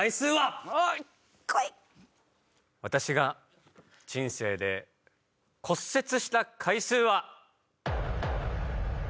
私が人生で骨折した回数は。